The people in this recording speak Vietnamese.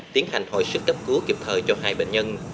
tiến hành hồi sức cấp cứu kịp thời cho hai bệnh nhân